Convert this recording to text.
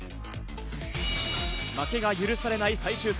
負けが許されない最終戦。